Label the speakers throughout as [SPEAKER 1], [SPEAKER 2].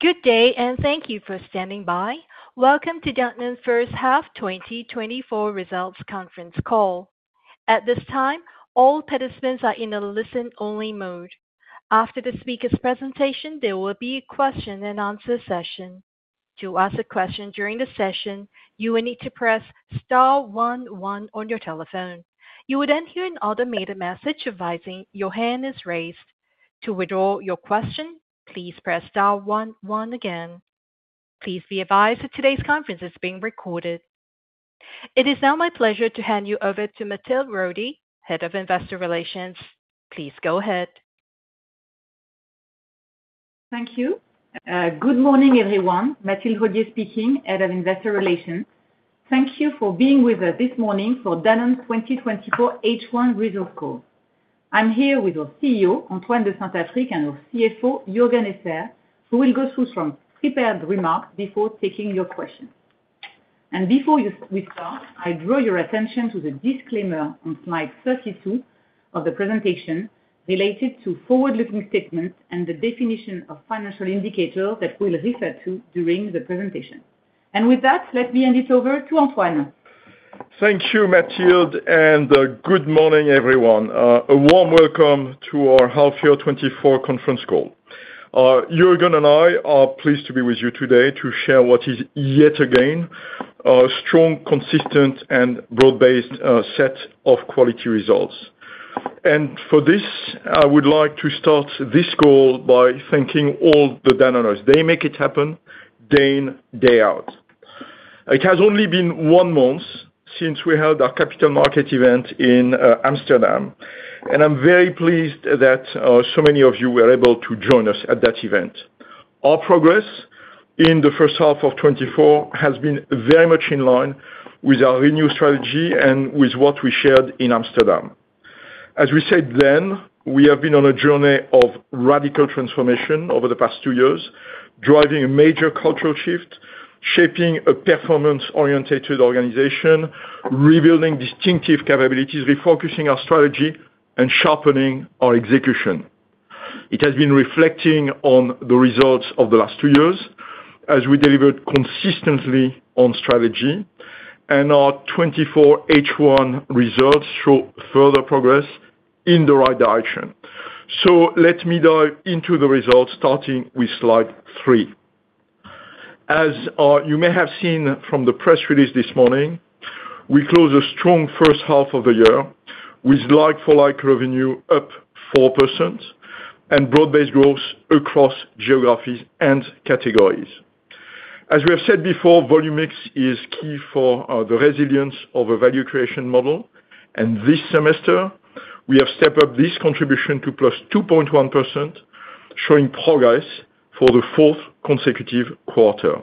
[SPEAKER 1] Good day, and thank you for standing by. Welcome to Danone's first half 2024 results conference call. At this time, all participants are in a listen-only mode. After the speaker's presentation, there will be a question-and-answer session. To ask a question during the session, you will need to press star one one on your telephone. You would then hear an automated message advising your hand is raised. To withdraw your question, please press star one one again. Please be advised that today's conference is being recorded. It is now my pleasure to hand you over to Mathilde Rodié, Head of Investor Relations. Please go ahead.
[SPEAKER 2] Thank you. Good morning, everyone. Mathilde Rodié speaking, Head of Investor Relations. Thank you for being with us this morning for Danone 2024 H1 results call. I'm here with our CEO, Antoine de Saint-Affrique, and our CFO, Juergen Esser, who will go through some prepared remarks before taking your questions. And before we start, I draw your attention to the disclaimer on slide 32 of the presentation, related to forward-looking statements and the definition of financial indicators that we'll refer to during the presentation. And with that, let me hand it over to Antoine.
[SPEAKER 3] Thank you, Mathilde, and good morning, everyone. A warm welcome to our half year 2024 conference call. Juergen and I are pleased to be with you today to share what is, yet again, a strong, consistent, and broad-based set of quality results. And for this, I would like to start this call by thanking all the Danoners. They make it happen, day in, day out. It has only been one month since we held our capital market event in Amsterdam, and I'm very pleased that so many of you were able to join us at that event. Our progress in the first half of 2024 has been very much in line with our renewed strategy and with what we shared in Amsterdam. As we said then, we have been on a journey of radical transformation over the past two years, driving a major cultural shift, shaping a performance-oriented organization, rebuilding distinctive capabilities, refocusing our strategy, and sharpening our execution. It has been reflecting on the results of the last two years as we delivered consistently on strategy, and our 2024 H1 results show further progress in the right direction. So let me dive into the results, starting with slide three. As, you may have seen from the press release this morning, we closed a strong first half of the year, with like-for-like revenue up 4% and broad-based growth across geographies and categories. As we have said before, volume mix is key for the resilience of a value creation model, and this semester, we have stepped up this contribution to +2.1%, showing progress for the fourth consecutive quarter.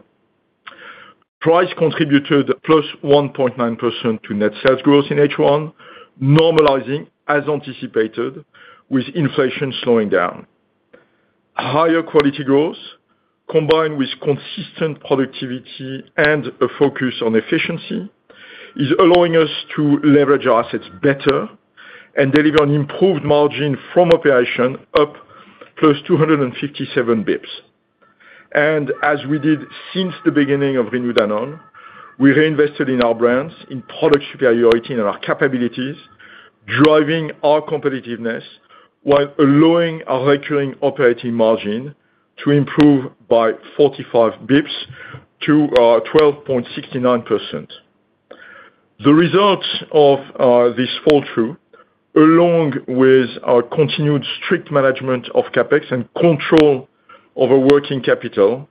[SPEAKER 3] Price contributed +1.9% to net sales growth in H1, normalizing as anticipated, with inflation slowing down. Higher quality growth, combined with consistent productivity and a focus on efficiency, is allowing us to leverage our assets better and deliver an improved margin from operation up +257 basis points. And as we did since the beginning of Renew Danone, we reinvested in our brands, in product superiority and our capabilities, driving our competitiveness while allowing our recurring operating margin to improve by 45 basis points to 12.69%. The results of this fall through, along with our continued strict management of CapEx and control over working capital,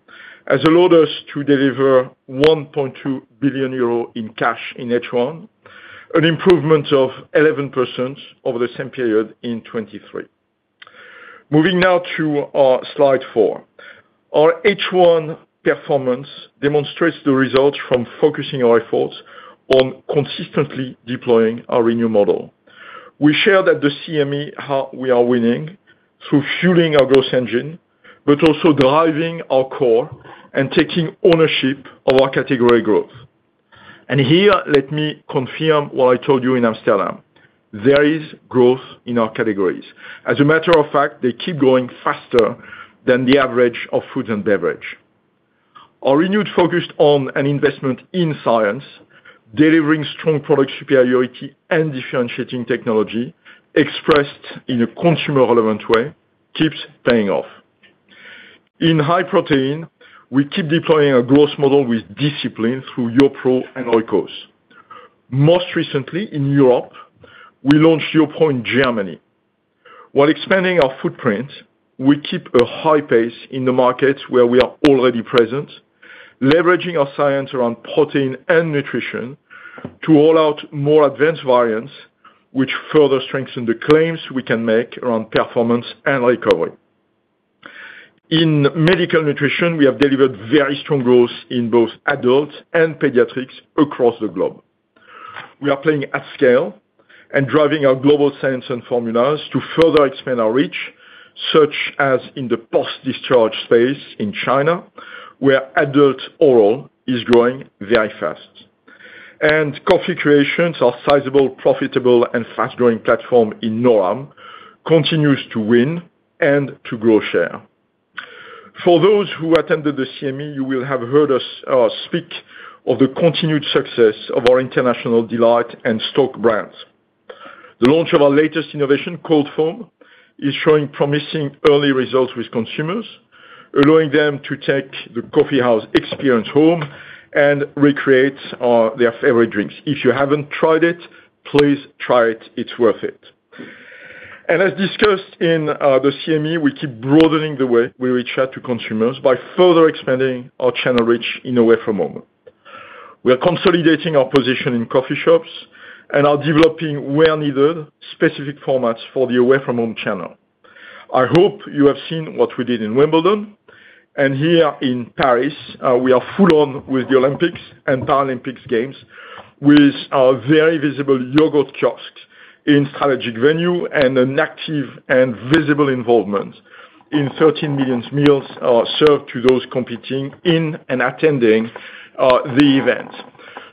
[SPEAKER 3] has allowed us to deliver 1.2 billion euro in cash in H1, an improvement of 11% over the same period in 2023. Moving now to slide four. Our H1 performance demonstrates the results from focusing our efforts on consistently deploying our Renew model. We shared at the CME how we are winning through fueling our growth engine but also driving our core and taking ownership of our category growth. Here, let me confirm what I told you in Amsterdam. There is growth in our categories. As a matter of fact, they keep growing faster than the average of food and beverage. Our renewed focus on an investment in science, delivering strong product superiority and differentiating technology expressed in a consumer-relevant way, keeps paying off. In high protein, we keep deploying a growth model with discipline through YoPRO and Oikos. Most recently, in Europe, we launched YoPRO in Germany. While expanding our footprint, we keep a high pace in the markets where we are already present, leveraging our science around protein and nutrition to roll out more advanced variants, which further strengthen the claims we can make around performance and recovery. In medical nutrition, we have delivered very strong growth in both adults and pediatrics across the globe. We are playing at scale and driving our global science and formulas to further expand our reach, such as in the post-discharge space in China, where adult oral is growing very fast, and Coffee Creations are sizable, profitable, and fast-growing platform in NORAM, continues to win and to grow share. For those who attended the CME, you will have heard us speak of the continued success of our International Delight and STōK brands. The launch of our latest innovation, Cold Foam, is showing promising early results with consumers, allowing them to take the coffee house experience home and recreate their favorite drinks. If you haven't tried it, please try it, it's worth it. And as discussed in the CME, we keep broadening the way we reach out to consumers by further expanding our channel reach in away from home. We are consolidating our position in coffee shops and are developing, where needed, specific formats for the away from home channel. I hope you have seen what we did in Wimbledon, and here in Paris, we are full on with the Olympics and Paralympics games, with a very visible yogurt kiosk in strategic venue and an active and visible involvement in 13 million meals, served to those competing in and attending, the event.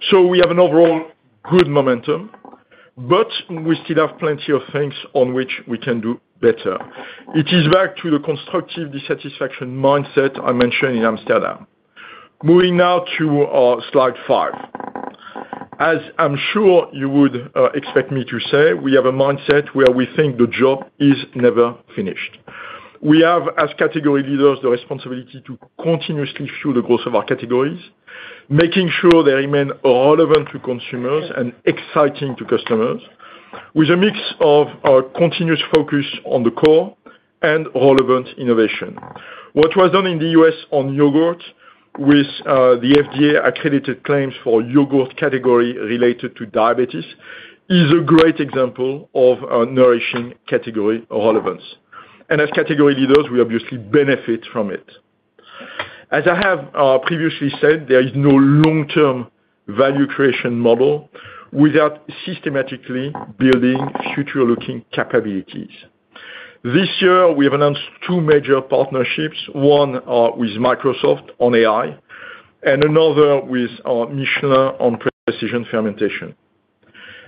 [SPEAKER 3] So we have an overall good momentum, but we still have plenty of things on which we can do better. It is back to the constructive dissatisfaction mindset I mentioned in Amsterdam. Moving now to, slide five. As I'm sure you would, expect me to say, we have a mindset where we think the job is never finished. We have, as category leaders, the responsibility to continuously fuel the growth of our categories, making sure they remain relevant to consumers and exciting to customers, with a mix of continuous focus on the core and relevant innovation. What was done in the U.S. on yogurt with the FDA-accredited claims for yogurt category related to diabetes is a great exle of a nourishing category relevance. And as category leaders, we obviously benefit from it. As I have previously said, there is no long-term value creation model without systematically building future-looking capabilities. This year, we have announced two major partnerships, one with Microsoft on AI and another with Michelin on precision fermentation.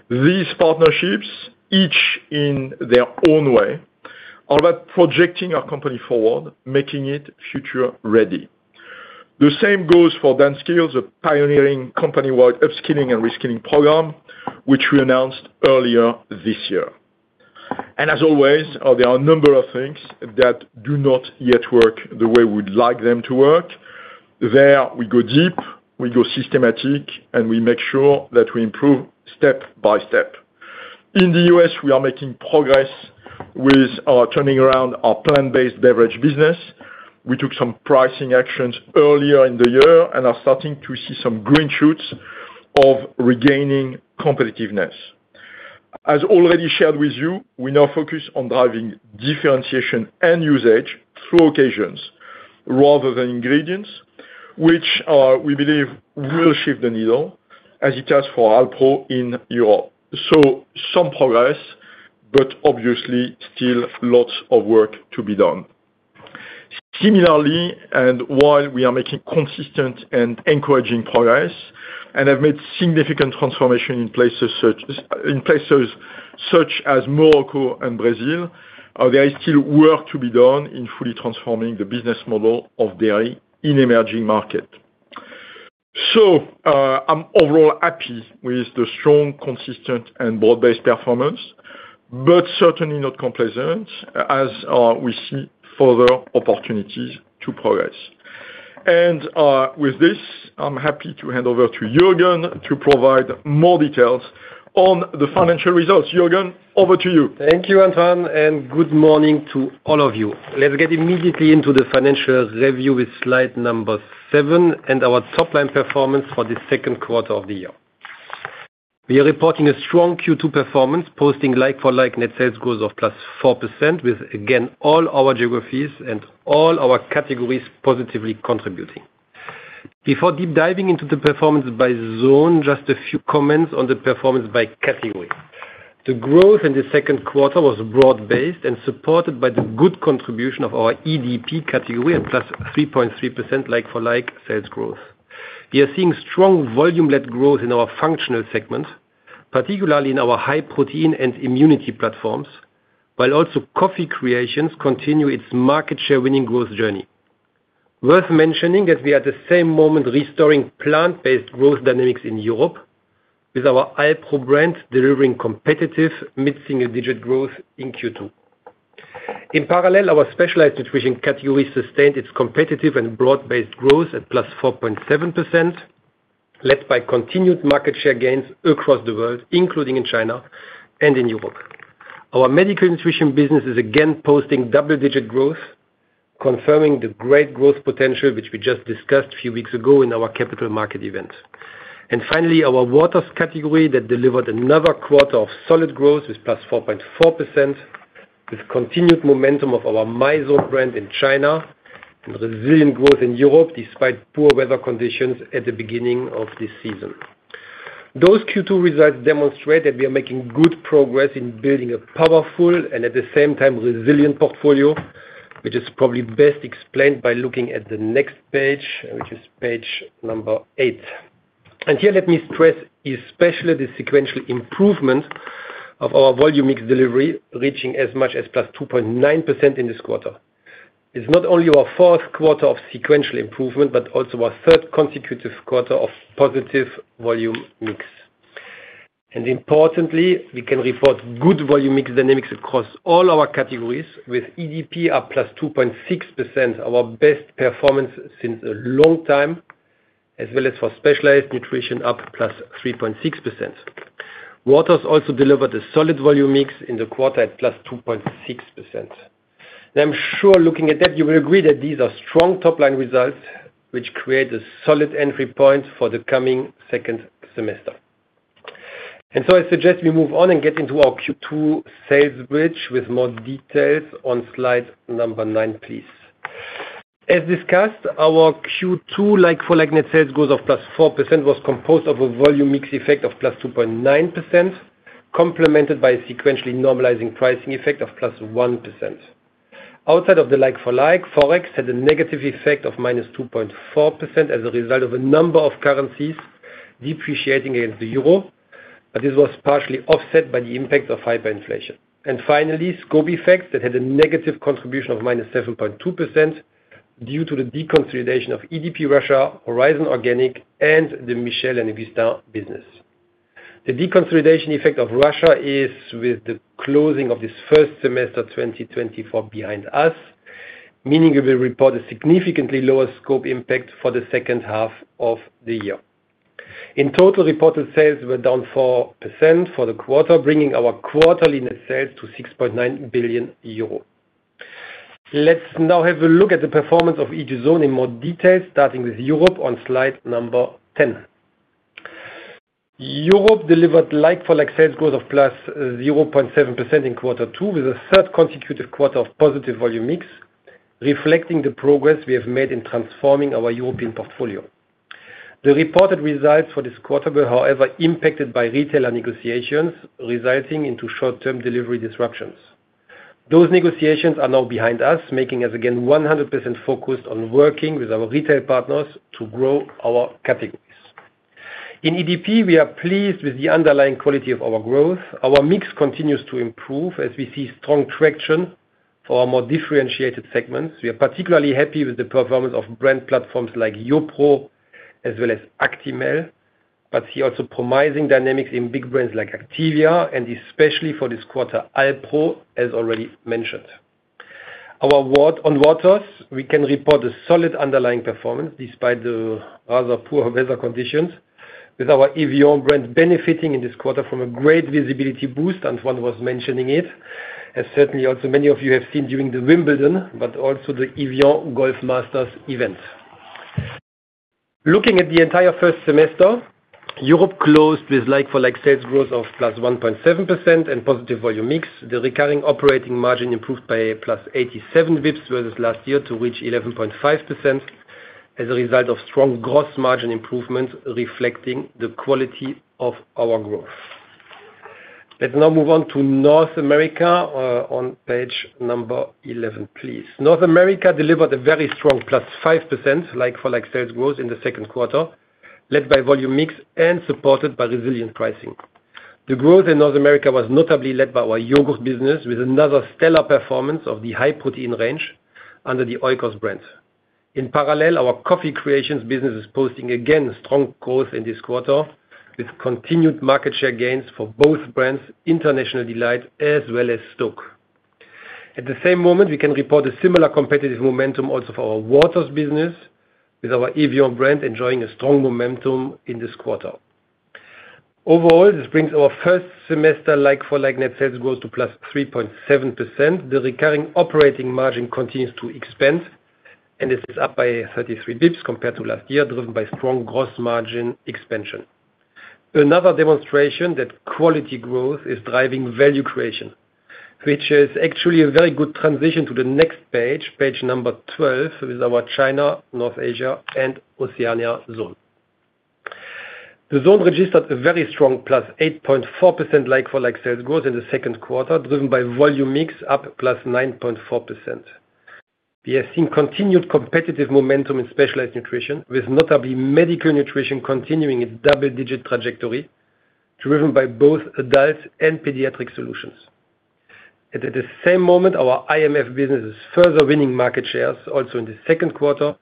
[SPEAKER 3] These partnerships, each in their own way, are about projecting our company forward, making it future-ready. The same goes for DanSkills, a pioneering company-wide upskilling and reskilling program, which we announced earlier this year. As always, there are a number of things that do not yet work the way we'd like them to work. There, we go deep, we go systematic, and we make sure that we improve step by step. In the U.S., we are making progress with turning around our plant-based beverage business. We took some pricing actions earlier in the year and are starting to see some green shoots of regaining competitiveness. As already shared with you, we now focus on driving differentiation and usage through occasions rather than ingredients, which we believe will shift the needle as it has for Alpro in Europe. Some progress, but obviously still lots of work to be done. Similarly, and while we are making consistent and encouraging progress, and have made significant transformation in places such as Morocco and Brazil, there is still work to be done in fully transforming the business model of dairy in emerging market. So, I'm overall happy with the strong, consistent, and broad-based performance, but certainly not complacent, as we see further opportunities to progress. And, with this, I'm happy to hand over to Jürgen to provide more details on the financial results. Jürgen, over to you.
[SPEAKER 4] Thank you, Antoine, and good morning to all of you. Let's get immediately into the financial review with slide number 7 and our top line performance for the second quarter of the year. We are reporting a strong Q2 performance, posting like for like net sales growth of +4%, with, again, all our geographies and all our categories positively contributing. Before deep diving into the performance by zone, just a few comments on the performance by category. The growth in the second quarter was broad-based and supported by the good contribution of our EDP category and +3.3%, like for like sales growth. We are seeing strong volume-led growth in our functional segment, particularly in our high protein and immunity platforms, while also Coffee Creations continue its market share winning growth journey. Worth mentioning that we are at the same moment restoring plant-based growth dynamics in Europe with our Alpro brand delivering competitive mid-single digit growth in Q2. In parallel, our specialized nutrition category sustained its competitive and broad-based growth at +4.7%, led by continued market share gains across the world, including in China and in Europe. Our medical nutrition business is again posting double-digit growth, confirming the great growth potential, which we just discussed a few weeks ago in our capital market event. And finally, our waters category that delivered another quarter of solid growth with +4.4%, with continued momentum of our Mizone brand in China, and resilient growth in Europe, despite poor weather conditions at the beginning of this season. Those Q2 results demonstrate that we are making good progress in building a powerful and at the same time, resilient portfolio. which is probably best explained by looking at the next page, which is page number eight. Here, let me stress, especially the sequential improvement of our volume mix delivery, reaching as much as +2.9% in this quarter. It's not only our fourth quarter of sequential improvement, but also our third consecutive quarter of positive volume mix. Importantly, we can report good volume mix dynamics across all our categories, with EDP up +2.6%, our best performance since a long time, as well as for specialized nutrition, up +3.6%. Waters also delivered a solid volume mix in the quarter at +2.6%. I'm sure looking at that, you will agree that these are strong top line results, which create a solid entry point for the coming second semester. So I suggest we move on and get into our Q2 sales bridge with more details on slide number 9, please. As discussed, our Q2 like-for-like net sales growth of +4% was composed of a volume mix effect of +2.9%, complemented by a sequentially normalizing pricing effect of +1%. Outside of the like-for-like, Forex had a negative effect of -2.4% as a result of a number of currencies depreciating against the euro, but this was partially offset by the impact of hyperinflation. Finally, scope effects that had a negative contribution of -7.2% due to the deconsolidation of EDP Russia, Horizon Organic, and the Michel et Augustin business. The deconsolidation effect of Russia is with the closing of this first semester, 2024 behind us, meaning we will report a significantly lower scope impact for the second half of the year. In total, reported sales were down 4% for the quarter, bringing our quarterly net sales to 69 billion euro. Let's now have a look at the performance of each zone in more detail, starting with Europe on slide 10. Europe delivered like-for-like sales growth of +0.7% in quarter two, with a third consecutive quarter of positive volume mix, reflecting the progress we have made in transforming our European portfolio. The reported results for this quarter were, however, impacted by retailer negotiations, resulting into short-term delivery disruptions. Those negotiations are now behind us, making us again 100% focused on working with our retail partners to grow our categories. In EDP, we are pleased with the underlying quality of our growth. Our mix continues to improve as we see strong traction for our more differentiated segments. We are particularly happy with the performance of brand platforms like YoPRO as well as Actimel, but see also promising dynamics in big brands like Activia and especially for this quarter, Alpro, as already mentioned. On waters, we can report a solid underlying performance despite the rather poor weather conditions, with our Evian brand benefiting in this quarter from a great visibility boost, Antoine was mentioning it, and certainly also many of you have seen during the Wimbledon, but also the Evian Golf Masters event. Looking at the entire first semester, Europe closed with like-for-like sales growth of +1.7% and positive volume mix. The recurring operating margin improved by +87 basis points versus last year, to reach 11.5% as a result of strong gross margin improvement, reflecting the quality of our growth. Let's now move on to North America, on page number 11, please. North America delivered a very strong +5% like-for-like sales growth in the second quarter, led by volume mix and supported by resilient pricing. The growth in North America was notably led by our yogurt business, with another stellar performance of the high protein range under the Oikos brand. In parallel, our Coffee Creations business is posting again, strong growth in this quarter, with continued market share gains for both brands, International Delight, as well as SToK. At the same moment, we can report a similar competitive momentum also for our waters business, with our Evian brand enjoying a strong momentum in this quarter. Overall, this brings our first half like-for-like net sales growth to +3.7%. The recurring operating margin continues to expand, and this is up by 33 basis points compared to last year, driven by strong gross margin expansion. Another demonstration that quality growth is driving value creation, which is actually a very good transition to the next page, page number 12, with our China, North Asia and Oceania zone. The zone registered a very strong +8.4% like-for-like sales growth in the second quarter, driven by volume mix up +9.4%. We have seen continued competitive momentum in specialized nutrition, with notably medical nutrition continuing its double-digit trajectory, driven by both adult and pediatric solutions. At the same moment, our IMF business is further winning market shares also in the second quarter,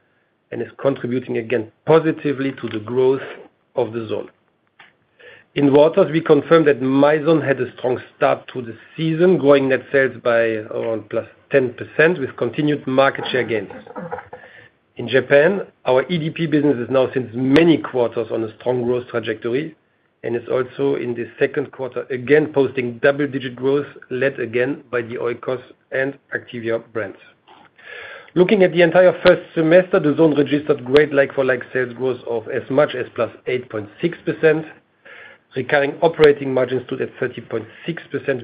[SPEAKER 4] and is contributing again positively to the growth of the zone. In waters, we confirm that Mizone had a strong start to the season, growing net sales by around +10%, with continued market share gains. In Japan, our EDP business is now since many quarters on a strong growth trajectory, and is also in the second quarter, again, posting double-digit growth, led again by the Oikos and Activia brands. Looking at the entire first semester, the zone registered great like-for-like sales growth of as much as +8.6%, recurring operating margins to the 30.6%,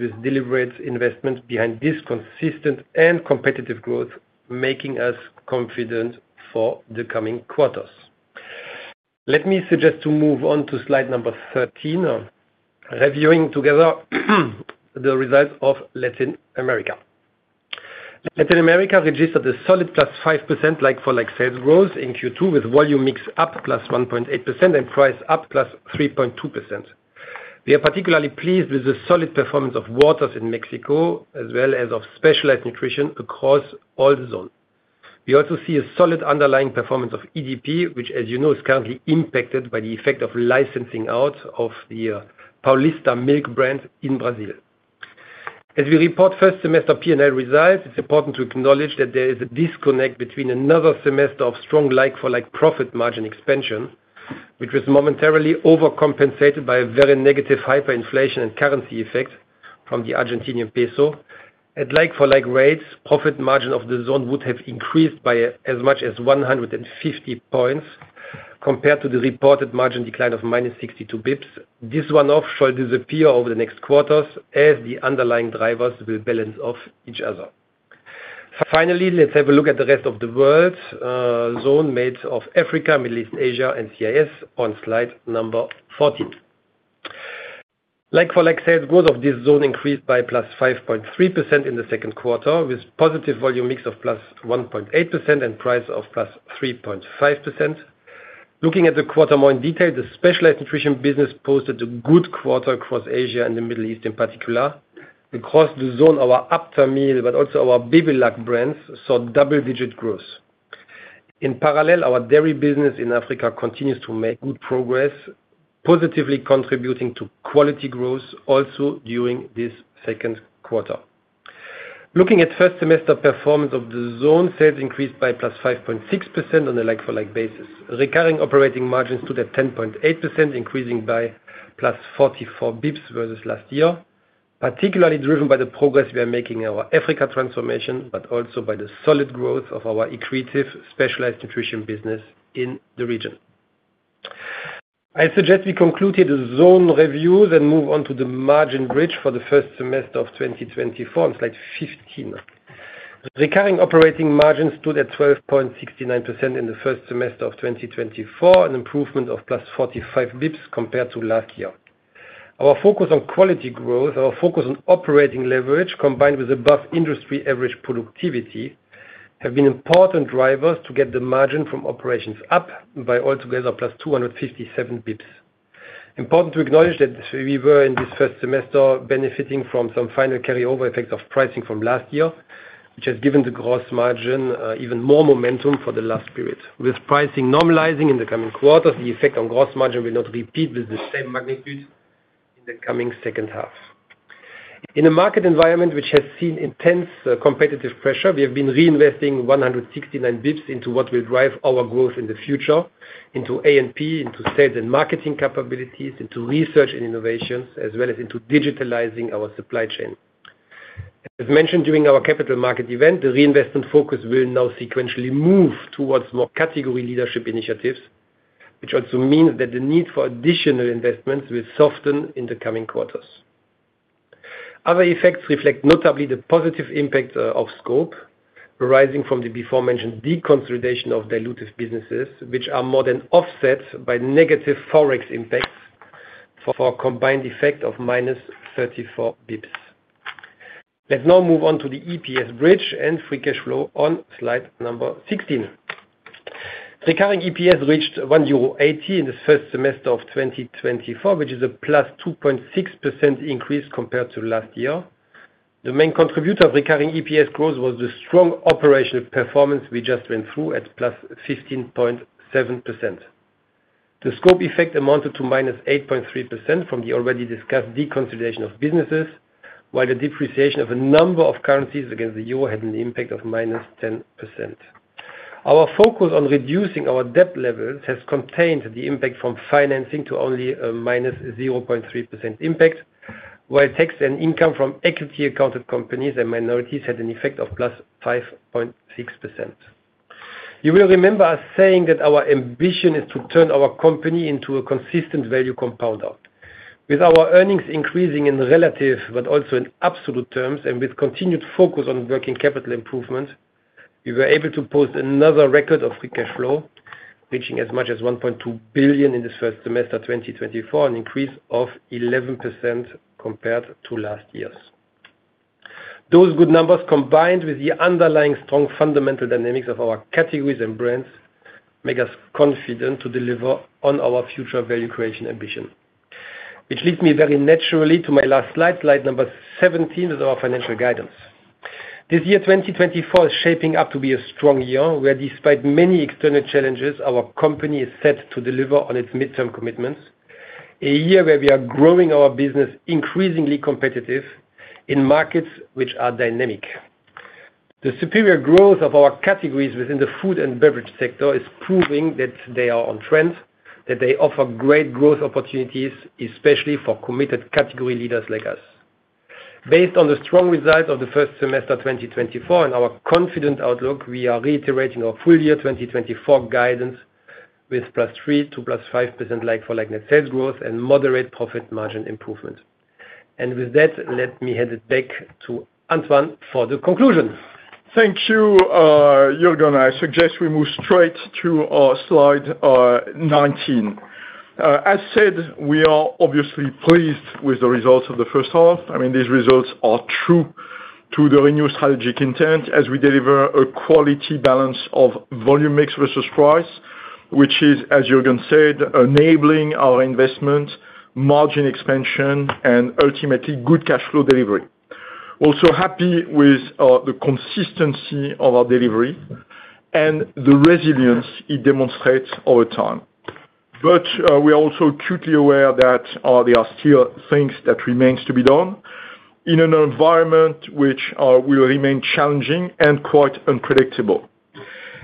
[SPEAKER 4] with deliberate investment behind this consistent and competitive growth, making us confident for the coming quarters. Let me suggest to move on to slide number 13, reviewing together the results of Latin America. Latin America registered a solid +5% like-for-like sales growth in Q2, with volume mix up +1.8% and price up +3.2%. We are particularly pleased with the solid performance of waters in Mexico, as well as of specialized nutrition across all the zones. We also see a solid underlying performance of EDP, which, as you know, is currently impacted by the effect of licensing out of the Paulista milk brand in Brazil. As we report first semester P&L results, it's important to acknowledge that there is a disconnect between another semester of strong like-for-like profit margin expansion, which was momentarily overcompensated by a very negative hyperinflation and currency effect from the Argentine peso. At like-for-like rates, profit margin of the zone would have increased by as much as 150 basis points compared to the reported margin decline of -62 basis points. This one-off should disappear over the next quarters as the underlying drivers will balance off each other. Finally, let's have a look at the rest of the world zone made of Africa, Middle East, Asia and CIS on slide 14. Like-for-like sales growth of this zone increased by +5.3% in the second quarter, with positive volume mix of +1.8% and price of +3.5%. Looking at the quarter more in detail, the specialized nutrition business posted a good quarter across Asia and the Middle East in particular. Across the zone, our Aptamil, but also our Bebelac brands, saw double-digit growth. In parallel, our dairy business in Africa continues to make good progress, positively contributing to quality growth also during this second quarter. Looking at first semester performance of the zone, sales increased by +5.6% on a like-for-like basis. Recurring operating margins to the 10.8%, increasing by +44 basis points versus last year, particularly driven by the progress we are making in our Africa transformation, but also by the solid growth of our accretive, specialized nutrition business in the region. I suggest we conclude the zone review, then move on to the margin bridge for the first semester of 2024, on slide 15. Recurring operating margins stood at 12.69% in the first semester of 2024, an improvement of plus 45 basis points compared to last year. Our focus on quality growth, our focus on operating leverage, combined with above industry average productivity, have been important drivers to get the margin from operations up by altogether plus 257 basis points. Important to acknowledge that we were, in this first semester, benefiting from some final carryover effect of pricing from last year, which has given the gross margin even more momentum for the last period. With pricing normalizing in the coming quarters, the effect on gross margin will not repeat with the same magnitude in the coming second half. In a market environment which has seen intense, competitive pressure, we have been reinvesting 169 bps into what will drive our growth in the future, into A&P, into sales and marketing capabilities, into research and innovations, as well as into digitalizing our supply chain. As mentioned during our capital market event, the reinvestment focus will now sequentially move towards more category leadership initiatives, which also means that the need for additional investments will soften in the coming quarters. Other effects reflect notably the positive impact of scope, arising from the beforementioned deconsolidation of dilutive businesses, which are more than offset by negative Forex impacts for a combined effect of -34 basis points. Let's now move on to the EPS bridge and free cash flow on slide number 16. Recurring EPS reached 1.80 euro in the first semester of 2024, which is a +2.6% increase compared to last year. The main contributor of recurring EPS growth was the strong operational performance we just went through at +15.7%. The scope effect amounted to -8.3% from the already discussed deconsolidation of businesses, while the depreciation of a number of currencies against the euro had an impact of -10%. Our focus on reducing our debt levels has contained the impact from financing to only a -0.3% impact, while tax and income from equity accounted companies and minorities had an effect of +5.6%. You will remember us saying that our ambition is to turn our company into a consistent value compounder. With our earnings increasing in relative but also in absolute terms, and with continued focus on working capital improvement, we were able to post another record of free cash flow, reaching as much as 1.2 billion in the first semester, 2024, an increase of 11% compared to last year's. Those good numbers, combined with the underlying strong fundamental dynamics of our categories and brands, make us confident to deliver on our future value creation ambition. Which leads me very naturally to my last slide, slide number 17, is our financial guidance. This year, 2024, is shaping up to be a strong year, where despite many external challenges, our company is set to deliver on its midterm commitments. A year where we are growing our business increasingly competitive in markets which are dynamic. The superior growth of our categories within the food and beverage sector is proving that they are on trend, that they offer great growth opportunities, especially for committed category leaders like us. Based on the strong results of the first half, 2024, and our confident outlook, we are reiterating our full year 2024 guidance with +3%-+5% like-for-like net sales growth and moderate profit margin improvement. And with that, let me hand it back to Antoine for the conclusion.
[SPEAKER 3] Thank you, Juergen. I suggest we move straight to slide 19. As said, we are obviously pleased with the results of the first half. I mean, these results are true to the Renew Strategic Intent, as we deliver a quality balance of volume mix versus price, which is, as Juergen said, enabling our investment, margin expansion, and ultimately, good cash flow delivery. Also happy with the consistency of our delivery and the resilience it demonstrates over time. But we are also acutely aware that there are still things that remains to be done in an environment which will remain challenging and quite unpredictable.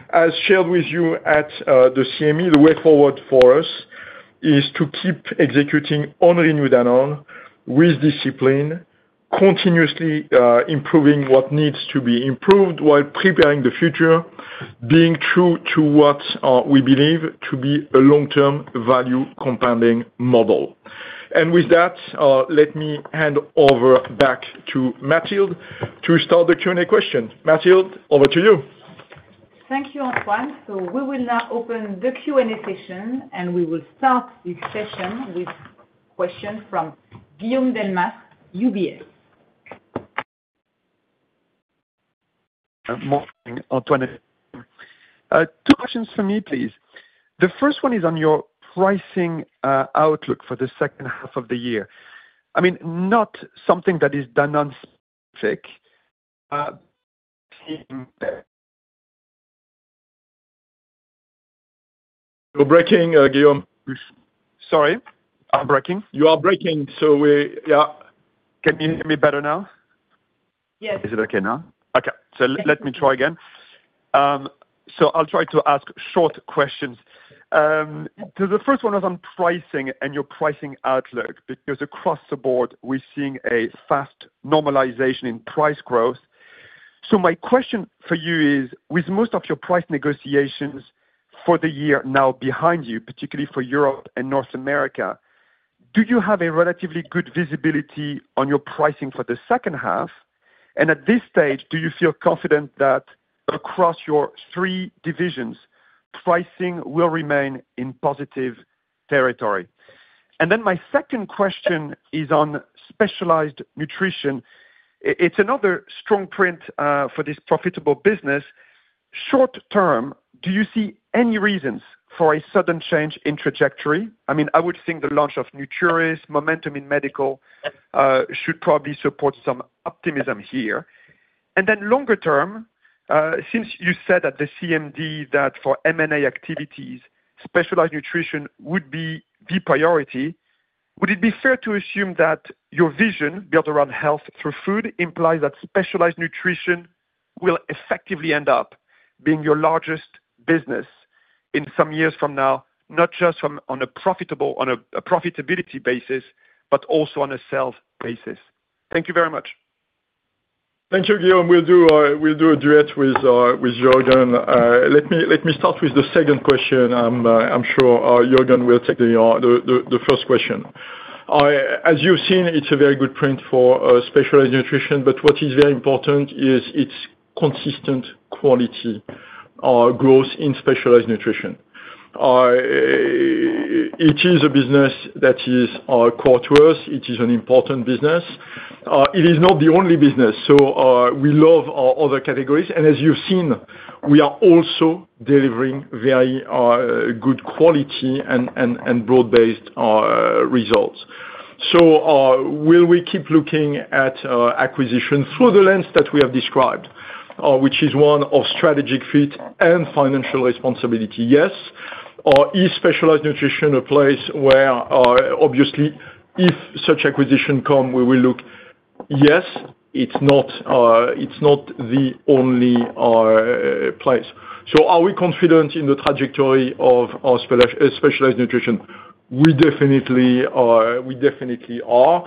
[SPEAKER 3] As shared with you at the CME, the way forward for us is to keep executing on Renew Danone with discipline, continuously improving what needs to be improved while preparing the future, being true to what we believe to be a long-term value compounding model. And with that, let me hand over back to Mathilde to start the Q&A question. Mathilde, over to you.
[SPEAKER 2] Thank you, Antoine. So we will now open the Q&A session, and we will start this session with question from Guillaume Delmas, UBS.
[SPEAKER 5] Morning, Antoine. Two questions for me, please. The first one is on your pricing outlook for the second half of the year. I mean, not something that is Danone specific.
[SPEAKER 3] You're breaking, Guillaume.
[SPEAKER 5] Sorry, I'm breaking?
[SPEAKER 3] You are breaking, so we... Yeah.
[SPEAKER 5] Can you hear me better now?
[SPEAKER 2] Yes.
[SPEAKER 5] Is it okay now? Okay, so let me try again. So I'll try to ask short questions. So the first one is on pricing and your pricing outlook, because across the board, we're seeing a fast normalization in price growth. So my question for you is, with most of your price negotiations for the year now behind you, particularly for Europe and North America, do you have a relatively good visibility on your pricing for the second half? And at this stage, do you feel confident that across your three divisions, pricing will remain in positive territory? And then my second question is on Specialized Nutrition. It's another strong print for this profitable business. Short term, do you see any reasons for a sudden change in trajectory? I mean, I would think the launch of Nutrison, momentum in medical, should probably support some optimism here. Then longer term, since you said at the CMD that for M&A activities, Specialized Nutrition would be the priority, would it be fair to assume that your vision, built around health through food, implies that Specialized Nutrition will effectively end up being your largest business in some years from now, not just from, on a profitability basis, but also on a sales basis? Thank you very much.
[SPEAKER 3] Thank you, Guillaume. We'll do a duet with Juergen. Let me start with the second question. I'm sure Juergen will take the first question. As you've seen, it's a very good print for Specialized Nutrition, but what is very important is its consistent quality growth in Specialized Nutrition. It is a business that is core to us. It is an important business. It is not the only business, so we love our other categories, and as you've seen, we are also delivering very good quality and broad-based results. So, will we keep looking at acquisition through the lens that we have described, which is one of strategic fit and financial responsibility? Yes. Is Specialized Nutrition a place where, obviously, if such acquisition come, we will look? Yes, it's not, it's not the only place. So are we confident in the trajectory of Specialized Nutrition? We definitely are. We definitely are.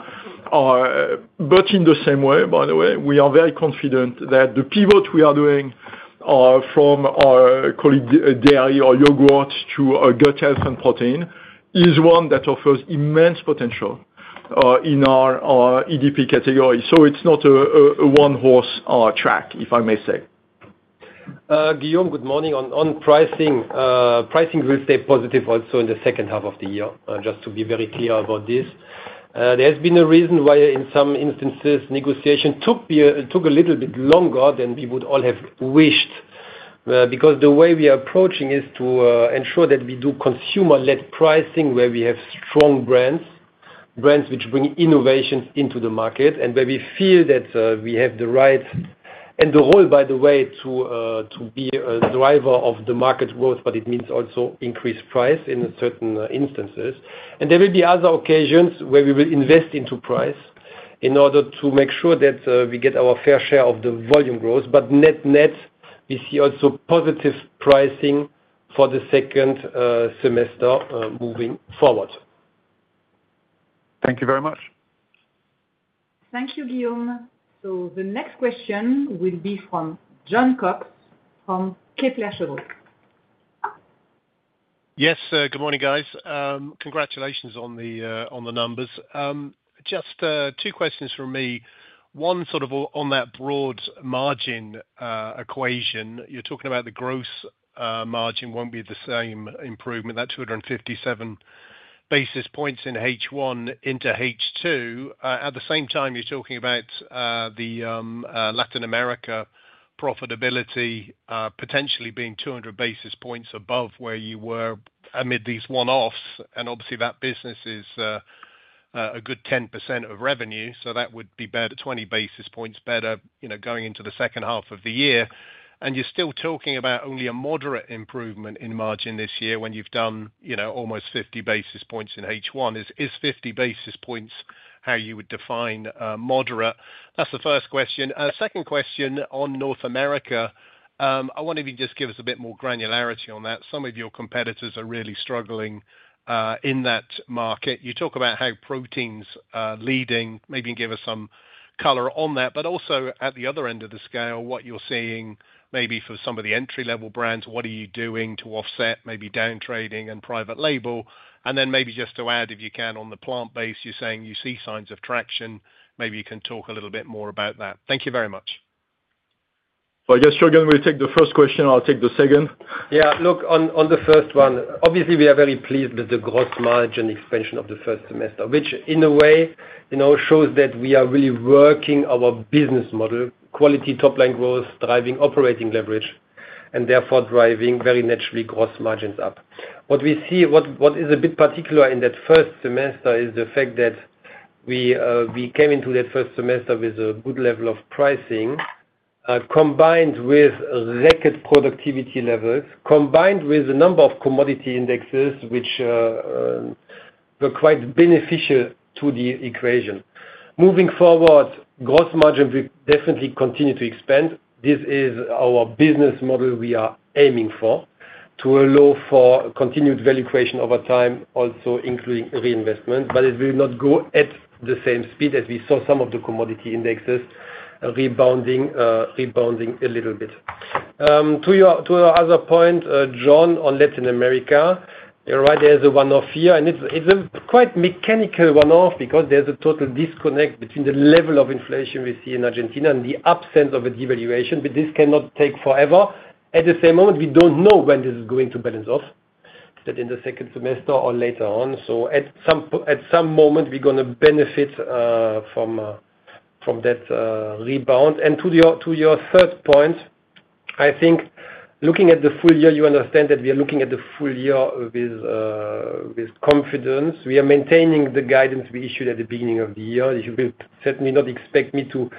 [SPEAKER 3] But in the same way, by the way, we are very confident that the pivot we are doing from our colleague Dairy or Yogurt to Gut Health and Protein is one that offers immense potential in our EDP category, so it's not a one horse track, if I may say.
[SPEAKER 4] Guillaume, good morning. On pricing, pricing will stay positive also in the second half of the year, just to be very clear about this. There's been a reason why, in some instances, negotiation took a little bit longer than we would all have wished, because the way we are approaching is to ensure that we do consumer-led pricing, where we have strong brands, brands which bring innovations into the market, and where we feel that we have the right and the role, by the way, to be a driver of the market growth, but it means also increased price in certain instances. There will be other occasions where we will invest into price in order to make sure that we get our fair share of the volume growth. Net-net, we see also positive pricing for the second semester, moving forward.
[SPEAKER 5] Thank you very much.
[SPEAKER 2] Thank you, Guillaume. The next question will be from Jon Cox, from Kepler Cheuvreux....
[SPEAKER 6] Yes, good morning, guys. Congratulations on the numbers. Just two questions from me. One, sort of, on that broad margin equation, you're talking about the gross margin won't be the same improvement, that 257 basis points into H1 into H2. At the same time, you're talking about the Latin America profitability potentially being 200 basis points above where you were amid these one-offs, and obviously, that business is a good 10% of revenue, so that would be better, 20 basis points better, you know, going into the second half of the year. And you're still talking about only a moderate improvement in margin this year when you've done, you know, almost 50 basis points in H1. Is 50 basis points how you would define moderate? That's the first question. Second question on North America, I wonder if you can just give us a bit more granularity on that. Some of your competitors are really struggling in that market. You talk about how proteins leading, maybe give us some color on that, but also at the other end of the scale, what you're seeing maybe for some of the entry-level brands, what are you doing to offset maybe down trading and private label? And then maybe just to add, if you can, on the plant-based, you're saying you see signs of traction, maybe you can talk a little bit more about that. Thank you very much.
[SPEAKER 3] Well, yes, Juergen, will you take the first question, and I'll take the second?
[SPEAKER 4] Yeah, look, on the first one, obviously, we are very pleased with the gross margin expansion of the first semester, which, in a way, you know, shows that we are really working our business model, quality top line growth, driving operating leverage, and therefore driving very naturally cost margins up. What we see is a bit particular in that first semester is the fact that we came into that first semester with a good level of pricing, combined with record productivity levels, combined with a number of commodity indexes, which were quite beneficial to the equation. Moving forward, gross margin will definitely continue to expand. This is our business model we are aiming for, to allow for continued value creation over time, also including reinvestment. But it will not go at the same speed as we saw some of the commodity indexes rebounding, rebounding a little bit. To your, to your other point, John, on Latin America, you're right, there's a one-off here, and it's a quite mechanical one-off because there's a total disconnect between the level of inflation we see in Argentina and the absence of a devaluation, but this cannot take forever. At the same moment, we don't know when this is going to balance off, but in the second semester or later on. So at some moment, we're gonna benefit from that rebound. And to your, to your third point, I think looking at the full year, you understand that we are looking at the full year with confidence. We are maintaining the guidance we issued at the beginning of the year. You will certainly not expect me to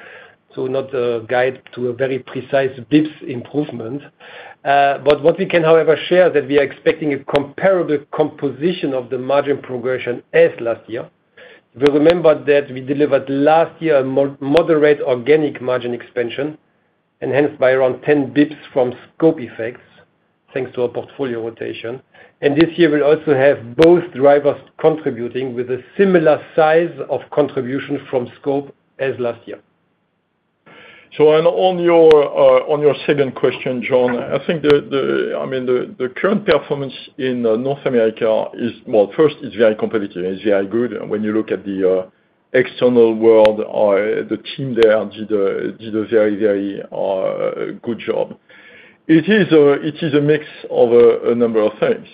[SPEAKER 4] not guide to a very precise dips improvement. But what we can, however, share that we are expecting a comparable composition of the margin progression as last year. We remember that we delivered last year a moderate organic margin expansion, enhanced by around 10 bps from scope effects, thanks to our portfolio rotation. And this year, we'll also have both drivers contributing with a similar size of contribution from scope as last year.
[SPEAKER 3] So on your second question, John, I think, I mean, the current performance in North America is... Well, first, it's very competitive. It's very good when you look at the external world or the team there did a very good job. It is a mix of a number of things.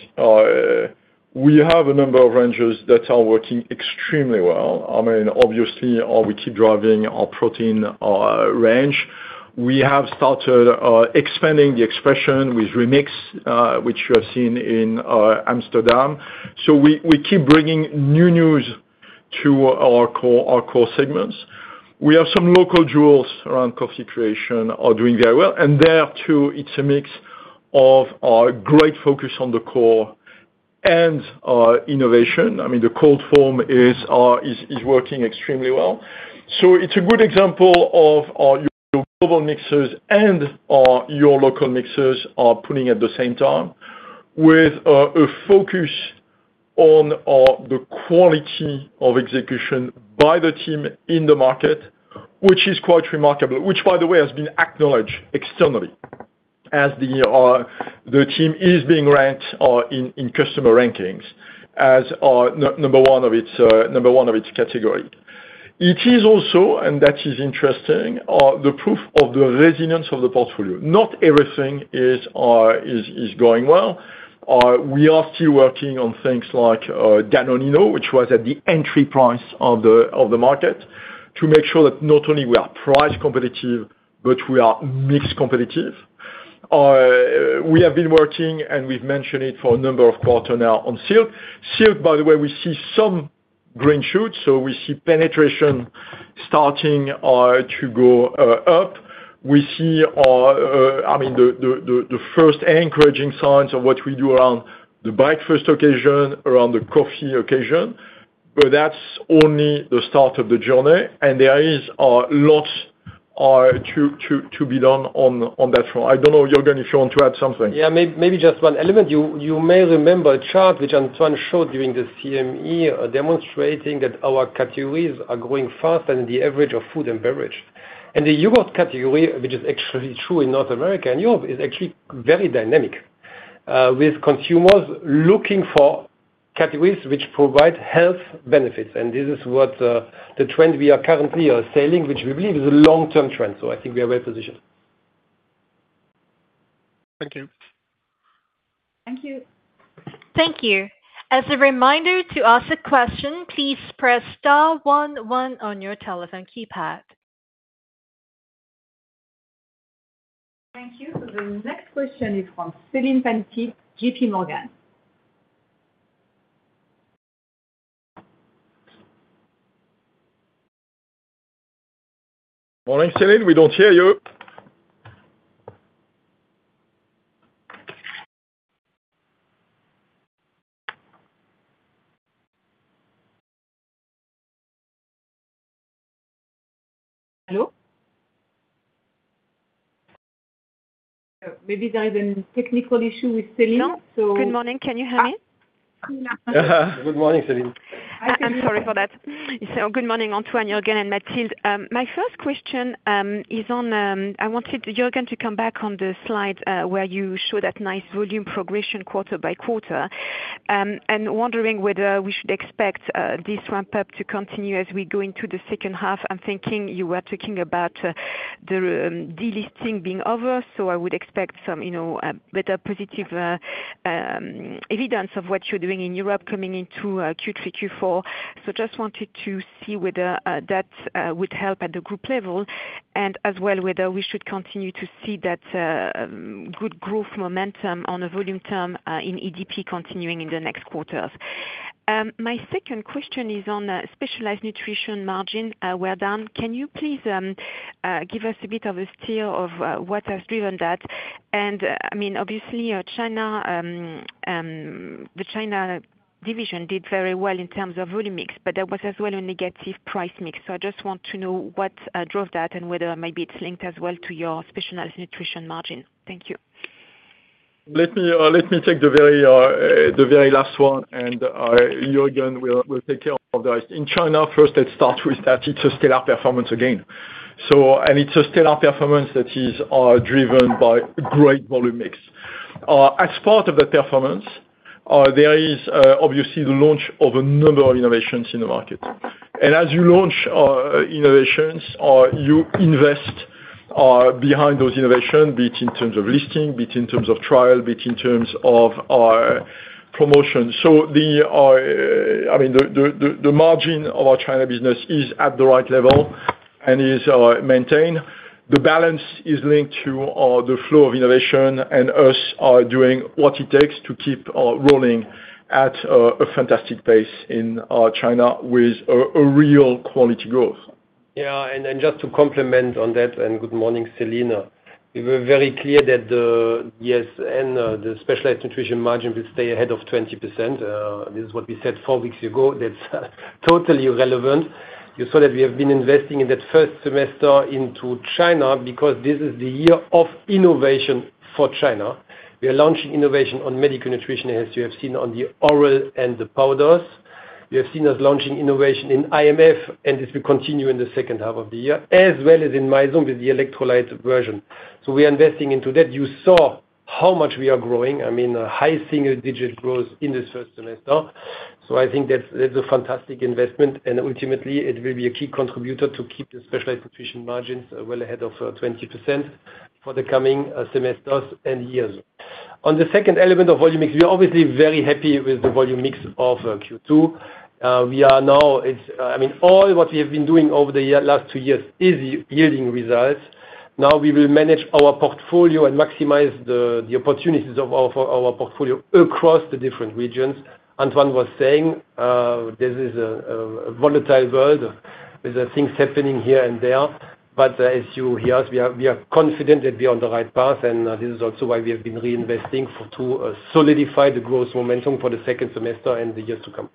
[SPEAKER 3] We have a number of ranges that are working extremely well. I mean, obviously, we keep driving our protein range. We have started expanding the expression with Remix, which you have seen in Amsterdam. So we keep bringing new news to our core segments. We have some local jewels around Coffee Creations are doing very well, and there, too, it's a mix of our great focus on the core and innovation. I mean, the cold foam is working extremely well. So it's a good example of your global mixes and your local mixes are pulling at the same time, with a focus on the quality of execution by the team in the market, which is quite remarkable. Which, by the way, has been acknowledged externally as the team is being ranked in customer rankings as number one of its category. It is also, and that is interesting, the proof of the resilience of the portfolio. Not everything is going well. We are still working on things like Danonino, which was at the entry price of the market, to make sure that not only we are price competitive, but we are mix competitive. We have been working, and we've mentioned it for a number of quarters now, on Silk. Silk, by the way, we see some green shoots, so we see penetration starting to go up. We see, I mean, the first encouraging signs of what we do around the breakfast occasion, around the coffee occasion, but that's only the start of the journey, and there is lots to be done on that front. I don't know, Juergen, if you want to add something.
[SPEAKER 4] Yeah, maybe just one element. You may remember a chart which Antoine showed during this CME, demonstrating that our categories are growing faster than the average of food and beverage. And the yogurt category, which is actually true in North America and Europe, is actually very dynamic, with consumers looking for categories which provide health benefits. And this is what the trend we are currently selling, which we believe is a long-term trend. So I think we are well positioned.
[SPEAKER 6] Thank you.
[SPEAKER 2] Thank you.
[SPEAKER 1] Thank you. As a reminder, to ask a question, please press star one one on your telephone keypad.
[SPEAKER 2] Thank you. The next question is from Celine Pannuti, J.P. Morgan.
[SPEAKER 4] Morning, Celine, we don't hear you.
[SPEAKER 7] Hello?
[SPEAKER 2] Maybe there is a technical issue with Celine, so-
[SPEAKER 7] Hello. Good morning. Can you hear me?
[SPEAKER 4] Good morning, Celine.
[SPEAKER 7] I'm sorry for that. So good morning, Antoine, Juergen, and Mathilde. My first question is on, I wanted Juergen to come back on the slide, where you show that nice volume progression quarter by quarter. And wondering whether we should expect this ramp up to continue as we go into the second half. I'm thinking you were talking about the delisting being over, so I would expect some, you know, better positive evidence of what you're doing in Europe coming into Q3, Q4. So just wanted to see whether that would help at the group level, and as well, whether we should continue to see that good growth momentum on a volume term in EDP continuing in the next quarters. My second question is on specialized nutrition margin, well done. Can you please give us a bit of a steer of what has driven that? And, I mean, obviously, China, the China division did very well in terms of volume mix, but there was as well a negative price mix. So I just want to know what drove that and whether maybe it's linked as well to your specialized nutrition margin. Thank you.
[SPEAKER 3] Let me, let me take the very, the very last one, and Juergen will take care of the rest. In China, first, let's start with that. It's a stellar performance again. And it's a stellar performance that is driven by great volume mix. As part of the performance, there is obviously the launch of a number of innovations in the market. And as you launch innovations, you invest behind those innovation, be it in terms of listing, be it in terms of trial, be it in terms of promotion. So I mean, the margin of our China business is at the right level and is maintained. The balance is linked to the flow of innovation and us doing what it takes to keep rolling at a fantastic pace in China with a real quality growth.
[SPEAKER 4] Yeah, and then just to comment on that, and good morning, Celine. We were very clear that the specialized nutrition margin will stay ahead of 20%. This is what we said four weeks ago. That's totally irrelevant. You saw that we have been investing in that first semester into China, because this is the year of innovation for China. We are launching innovation on medical nutrition, as you have seen on the oral and the powders. You have seen us launching innovation in IMF, and this will continue in the second half of the year, as well as in Mizone with the electrolyte version. So we are investing into that. You saw how much we are growing. I mean, a high single-digit growth in this first semester, so I think that's, that's a fantastic investment, and ultimately, it will be a key contributor to keep the specialized nutrition margins well ahead of 20% for the coming semesters and years. On the second element of volume mix, we are obviously very happy with the volume mix of Q2. We are now, it's, I mean, all what we have been doing over the year, last two years is yielding results. Now, we will manage our portfolio and maximize the opportunities of our, for our portfolio across the different regions. Antoine was saying this is a volatile world. There's things happening here and there, but as you hear us, we are confident that we are on the right path, and this is also why we have been reinvesting to solidify the growth momentum for the second semester and the years to come.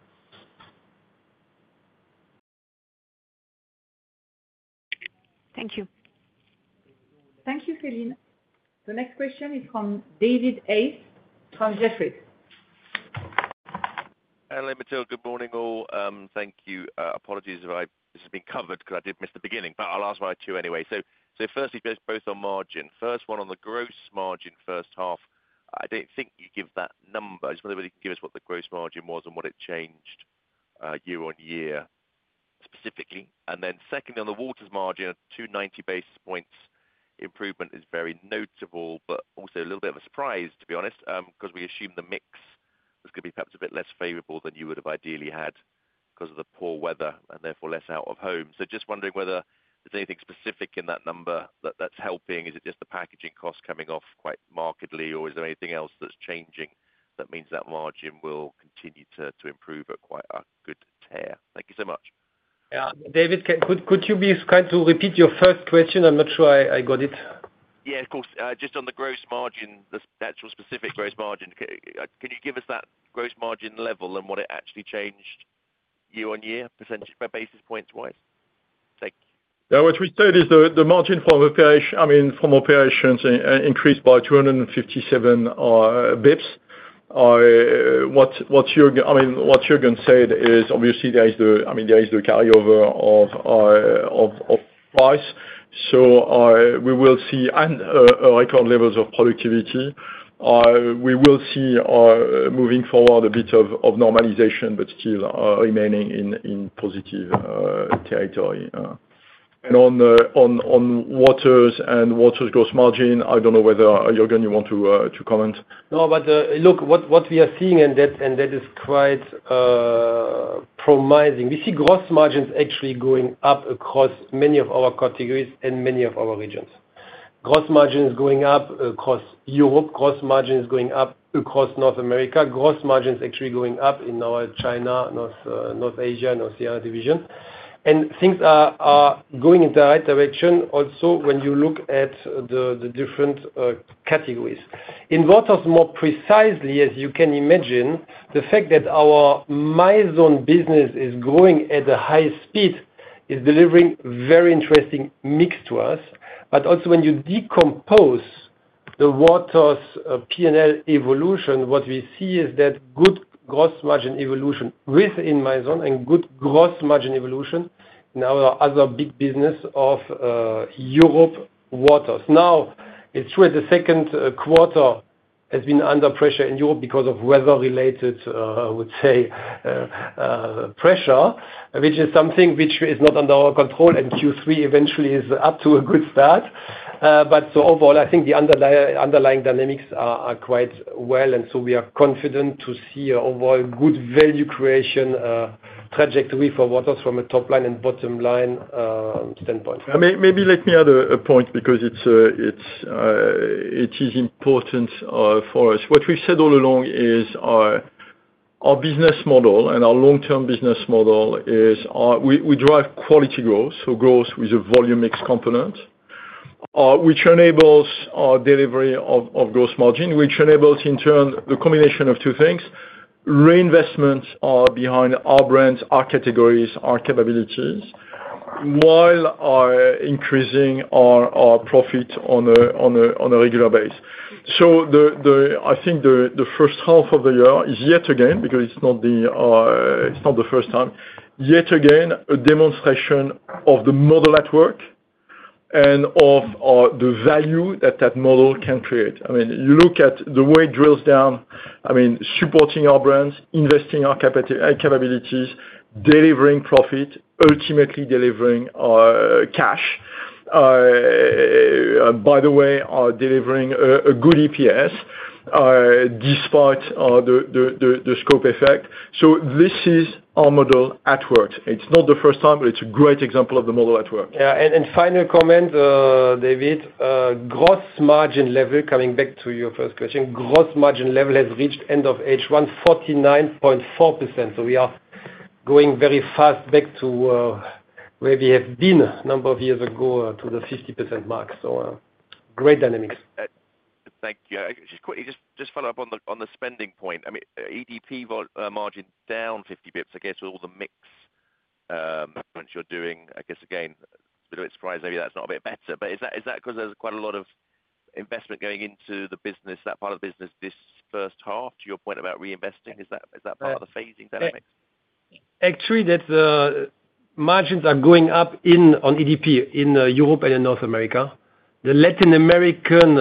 [SPEAKER 7] Thank you.
[SPEAKER 2] Thank you, Celine. The next question is from David Hayes from Jefferies.
[SPEAKER 8] Hello, Mathilde, good morning, all. Thank you. Apologies if this has been covered because I did miss the beginning, but I'll ask my two anyway. So firstly, just both on margin. First one on the gross margin, first half, I don't think you give that number. I just wonder whether you can give us what the gross margin was and what it changed year-over-year, specifically. And then secondly, on the waters margin, 290 basis points improvement is very notable, but also a little bit of a surprise, to be honest, because we assumed the mix was gonna be perhaps a bit less favorable than you would have ideally had because of the poor weather, and therefore less out of home. So just wondering whether there's anything specific in that number that's helping? Is it just the packaging cost coming off quite markedly, or is there anything else that's changing that means that margin will continue to improve at quite a good rate? Thank you so much.
[SPEAKER 4] Yeah. David, could you be kind to repeat your first question? I'm not sure I got it.
[SPEAKER 8] Yeah, of course. Just on the gross margin, the actual specific gross margin, can you give us that gross margin level and what it actually changed year-over-year, percentage basis points-wise? Thank you.
[SPEAKER 3] Yeah, what we said is the margin from operations increased by 257 basis points. What Juergen said is obviously there is the carryover of price. So, we will see record levels of productivity. We will see, moving forward, a bit of normalization, but still remaining in positive territory. And on the waters gross margin, I don't know whether, Juergen, you want to comment?
[SPEAKER 4] No, but look, what we are seeing, and that is quite promising. We see gross margins actually going up across many of our categories and many of our regions. Gross margin is going up across Europe. Gross margin is going up across North America. Gross margin is actually going up in our China, North Asia and Oceania division. And things are going in the right direction also when you look at the different categories. In waters, more precisely, as you can imagine, the fact that our Mizone business is growing at a high speed is delivering very interesting mix to us. But also, when you decompose the waters P&L evolution, what we see is that good gross margin evolution within Mizone, and good gross margin evolution in our other big business of Europe waters. Now, it's true, the second quarter has been under pressure in Europe because of weather-related pressure, which is something which is not under our control, and Q3 eventually is up to a good start. But so overall, I think the underlying dynamics are quite well, and so we are confident to see overall good value creation trajectory for waters from a top line and bottom line standpoint.
[SPEAKER 3] Maybe let me add a point, because it is important for us. What we've said all along is our business model and our long-term business model is we drive quality growth, so growth with a volume mix component, which enables our delivery of gross margin, which enables in turn the combination of two things: reinvestments are behind our brands, our categories, our capabilities, while increasing our profit on a regular basis. So I think the first half of the year is yet again, because it's not the first time, yet again, a demonstration of the model at work and of the value that that model can create. I mean, you look at the way it drills down, I mean, supporting our brands, investing our capabilities, delivering profit, ultimately delivering cash. By the way, delivering a good EPS despite the scope effect. So this is our model at work. It's not the first time, but it's a great example of the model at work.
[SPEAKER 4] Yeah, and final comment, David, gross margin level, coming back to your first question, gross margin level has reached end of H1 49.4%. So we are going very fast back to where we have been a number of years ago, to the 50% mark. So, great dynamics.
[SPEAKER 8] Thank you. Just quickly, just follow up on the spending point. I mean, EDP margin down 50 bps, I guess, with all the mix which you're doing, I guess, again, little bit surprised, maybe that's not a bit better. But is that, is that 'cause there's quite a lot of investment going into the business, that part of the business this first half, to your point about reinvesting? Is that, is that part of the phasing dynamic?
[SPEAKER 4] Actually, that the margins are going up in on EDP in Europe and North America. The Latin American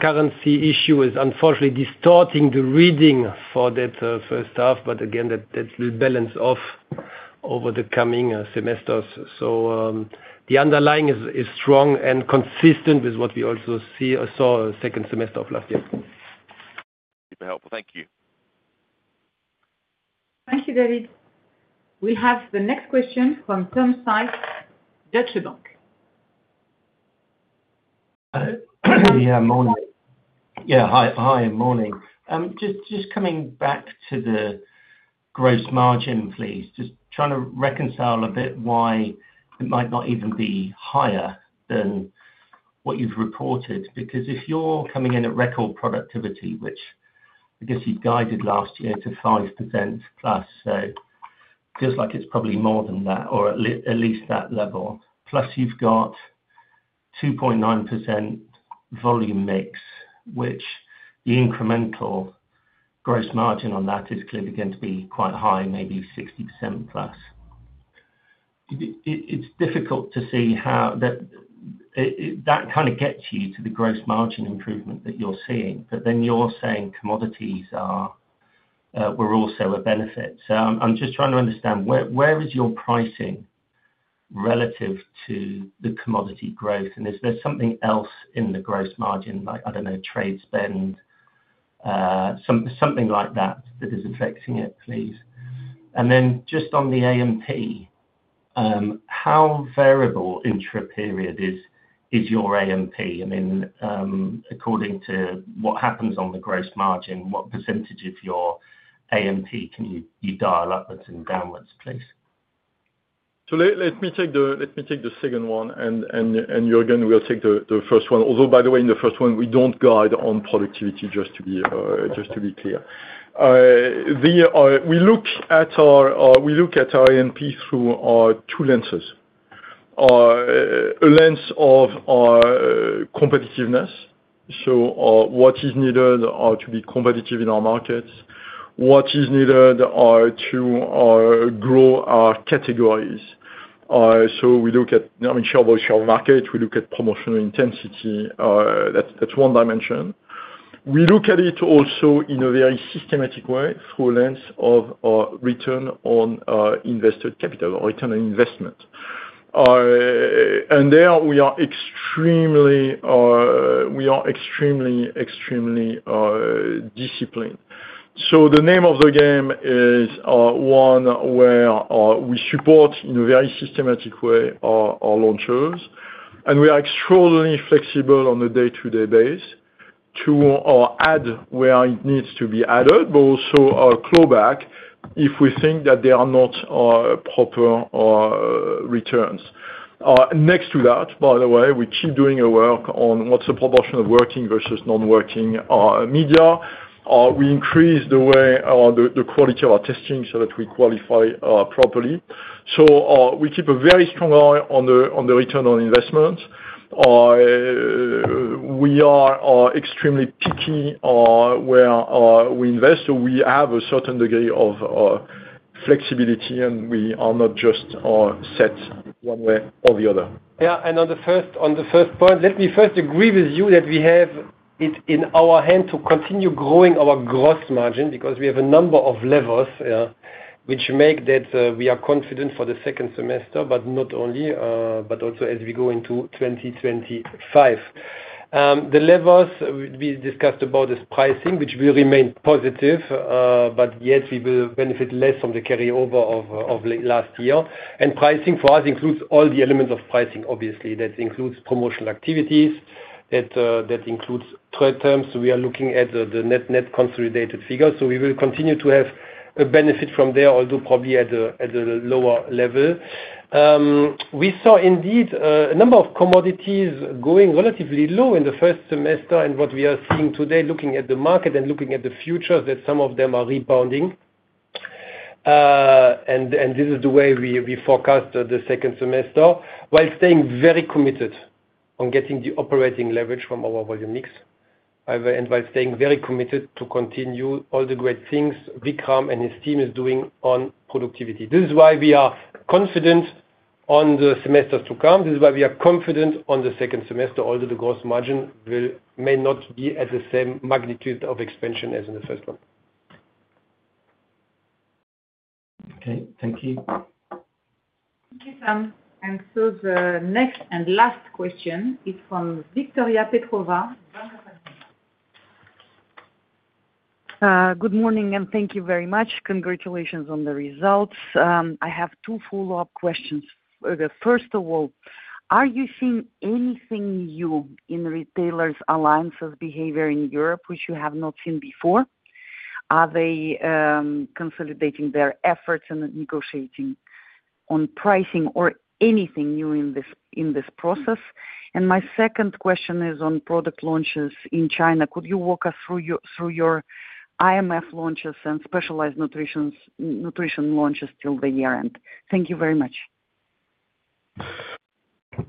[SPEAKER 4] currency issue is unfortunately distorting the reading for that first half, but again, that will balance off over the coming semesters. So, the underlying is strong and consistent with what we also see saw second semester of last year.
[SPEAKER 8] Super helpful. Thank you.
[SPEAKER 2] Thank you, David. We have the next question from Tom Sykes, Deutsche Bank.
[SPEAKER 9] Yeah, morning. Yeah, hi, hi, morning. Just coming back to the gross margin, please. Just trying to reconcile a bit why it might not even be higher than what you've reported. Because if you're coming in at record productivity, which I guess you guided last year to 5%+, so feels like it's probably more than that, or at least that level. Plus, you've got 2.9% volume mix, which the incremental gross margin on that is clearly going to be quite high, maybe 60%+. It's difficult to see how that kind of gets you to the gross margin improvement that you're seeing, but then you're saying commodities were also a benefit. So I'm just trying to understand where your pricing is relative to the commodity growth. Is there something else in the gross margin, like, I don't know, trade spend, something like that, that is affecting it, please? And then just on the A&P, how variable intra-period is your A&P? I mean, according to what happens on the gross margin, what percentage of your A&P can you dial upwards and downwards, please?
[SPEAKER 3] So let me take the second one, and Juergen will take the first one. Although, by the way, in the first one, we don't guide on productivity, just to be clear. We look at our A&P through two lenses: a lens of competitiveness. So, what is needed to be competitive in our markets? What is needed to grow our categories? So we look at, I mean, share voice, share market, we look at promotional intensity, that's one dimension. We look at it also in a very systematic way, through a lens of return on invested capital or return on investment. And there we are extremely disciplined. So the name of the game is one where we support in a very systematic way our launchers, and we are extremely flexible on a day-to-day basis, to add where it needs to be added, but also claw back if we think that they are not proper returns. Next to that, by the way, we keep doing our work on what's the proportion of working versus non-working media. We increase the way the quality of our testing so that we qualify properly. So we keep a very strong eye on the return on investment. We are extremely picky where we invest, so we have a certain degree of flexibility, and we are not just set one way or the other.
[SPEAKER 4] Yeah, and on the first, on the first point, let me first agree with you that we have it in our hand to continue growing our gross margin, because we have a number of levers, which make that we are confident for the second semester, but not only, but also as we go into 2025. The levers we discussed about this pricing, which will remain positive, but yet we will benefit less from the carryover of last year. And pricing for us includes all the elements of pricing, obviously, that includes promotional activities, that includes trade terms. We are looking at the net, net consolidated figures, so we will continue to have a benefit from there, although probably at a lower level. We saw indeed a number of commodities going relatively low in the first semester, and what we are seeing today, looking at the market and looking at the future, that some of them are rebounding. And this is the way we forecast the second semester, while staying very committed on getting the operating leverage from our volume mix, and by staying very committed to continue all the great things Vikram and his team is doing on productivity. This is why we are confident on the semesters to come. This is why we are confident on the second semester, although the gross margin will, may not be at the same magnitude of expansion as in the first one.
[SPEAKER 9] Okay, thank you.
[SPEAKER 2] Thank you, Sam. The next and last question is from Victoria Petrova.
[SPEAKER 10] Good morning, and thank you very much. Congratulations on the results. I have two follow-up questions. First of all, are you seeing anything new in retailers' alliances behavior in Europe, which you have not seen before? Are they consolidating their efforts and negotiating on pricing or anything new in this process? My second question is on product launches in China. Could you walk us through your IMF launches and specialized nutrition launches till the year-end? Thank you very much.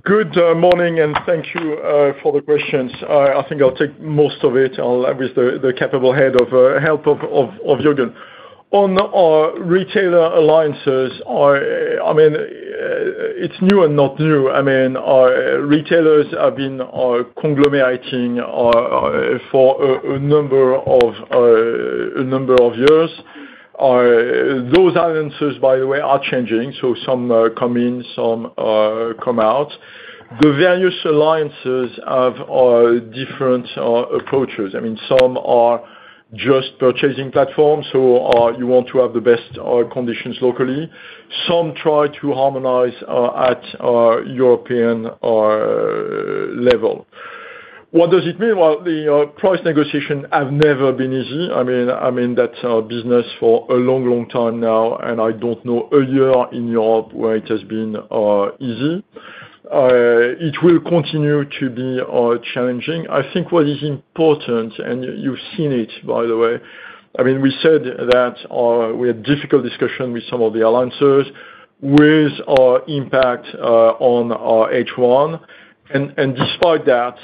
[SPEAKER 3] Good morning and thank you for the questions. I think I'll take most of it, and I'll with the capable help of Jürgen. On our retailer alliances, I mean, it's new and not new. I mean, retailers have been conglomerating for a number of years. Those alliances, by the way, are changing, so some come in, some come out. The various alliances have different approaches. I mean, some are just purchasing platforms, so you want to have the best conditions locally. Some try to harmonize at European level. What does it mean? Well, the price negotiation have never been easy. I mean, that's our business for a long, long time now, and I don't know a year in Europe where it has been easy. It will continue to be challenging. I think what is important, and you've seen it, by the way, I mean, we said that we had difficult discussion with some of the alliances, with our impact on our H1, and despite that,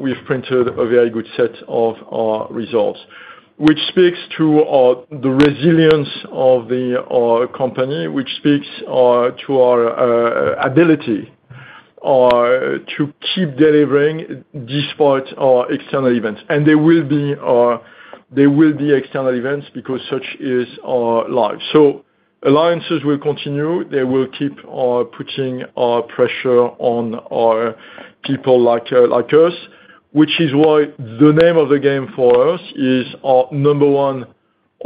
[SPEAKER 3] we've printed a very good set of results. Which speaks to the resilience of the company, which speaks to our ability to keep delivering despite our external events. And there will be external events, because such is our life. So alliances will continue, they will keep putting pressure on people like, like us, which is why the name of the game for us is number one,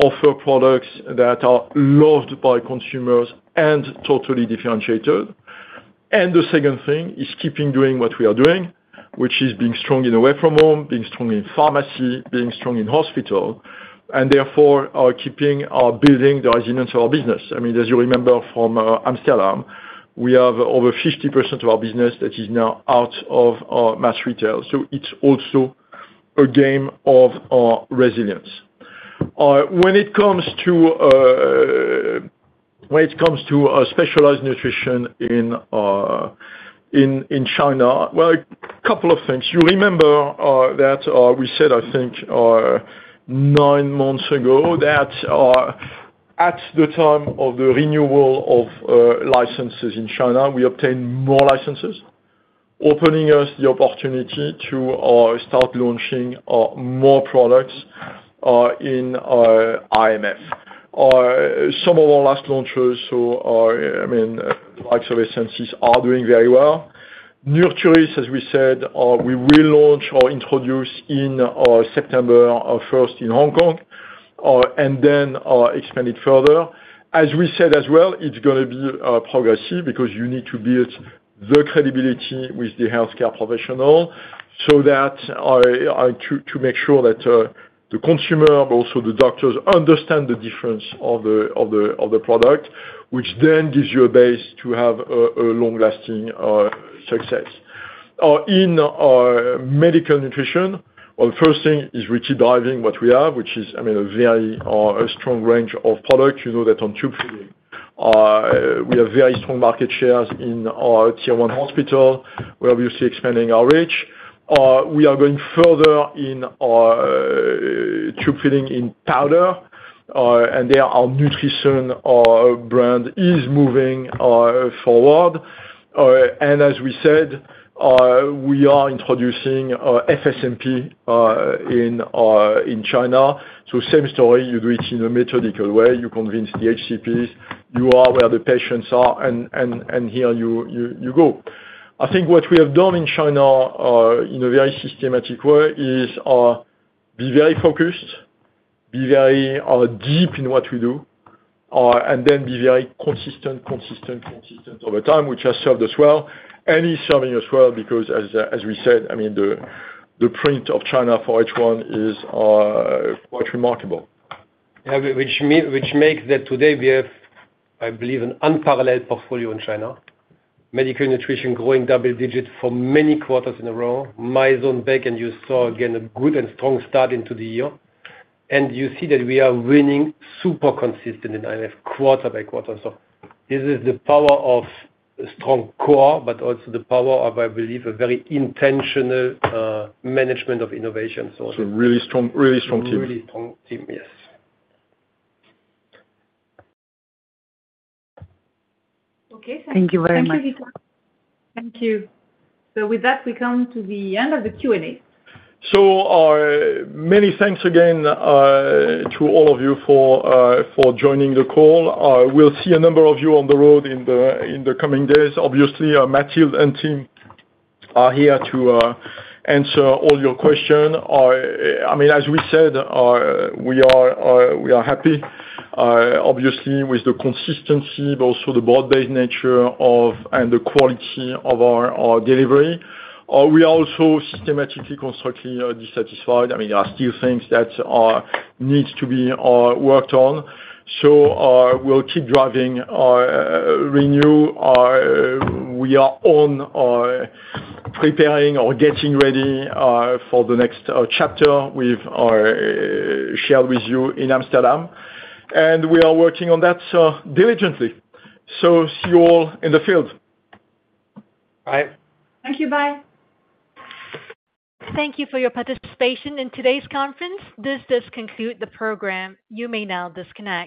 [SPEAKER 3] offer products that are loved by consumers and totally differentiated. And the second thing is keeping doing what we are doing, which is being strong in away-from-home, being strong in pharmacy, being strong in hospital, and therefore, keeping building the resilience of our business. I mean, as you remember from Amsterdam, we have over 50% of our business that is now out of mass retail, so it's also a game of resilience. When it comes to specialized nutrition in China, well, a couple of things. You remember that we said, I think, nine months ago, that at the time of the renewal of licenses in China, we obtained more licenses, opening us the opportunity to start launching more products in IMF. Some of our last launches, so are, I mean, types of essences are doing very well. Nutrison, as we said, we will launch or introduce in September, first in Hong Kong, and then expand it further. As we said as well, it's gonna be progressive, because you need to build the credibility with the healthcare professional, so that to make sure that the consumer, but also the doctors, understand the difference of the product, which then gives you a base to have a long-lasting success. In medical nutrition, well, the first thing is really driving what we have, which is, I mean, a very strong range of products. You know that on tube feeding, we have very strong market shares in our tier one hospital. We're obviously expanding our reach. We are going further in tube feeding in powder, and there, our nutrition brand is moving forward. And as we said, we are introducing FSMP in China. So same story, you do it in a methodical way. You convince the HCPs, you are where the patients are, and here you go. I think what we have done in China, in a very systematic way, is be very focused, be very deep in what we do, and then be very consistent, consistent, consistent over time, which has served us well and is serving us well because as we said, I mean, the print of China for H1 is quite remarkable.
[SPEAKER 4] Yeah, which makes that today we have, I believe, an unparalleled portfolio in China. Medical nutrition growing double digits for many quarters in a row. Mizone back, and you saw again, a good and strong start into the year. And you see that we are winning super consistent in IMF, quarter by quarter. So, this is the power of a strong core, but also the power of, I believe, a very intentional management of innovation. So-
[SPEAKER 3] It's a really strong, really strong team.
[SPEAKER 4] Really strong team, yes.
[SPEAKER 10] Okay, thank you very much.
[SPEAKER 2] Thank you. With that, we come to the end of the Q&A.
[SPEAKER 3] Many thanks again to all of you for joining the call. We'll see a number of you on the road in the coming days. Obviously, Mathilde and team are here to answer all your question. I mean, as we said, we are happy, obviously, with the consistency, but also the broad-based nature of, and the quality of our delivery. We are also systematically, constantly dissatisfied. I mean, there are still things that needs to be worked on. We'll keep driving renew. We are preparing or getting ready for the next chapter with share with you in Amsterdam. And we are working on that diligently. See you all in the field.
[SPEAKER 4] Bye.
[SPEAKER 2] Thank you. Bye.
[SPEAKER 1] Thank you for your participation in today's conference. This does conclude the program. You may now disconnect.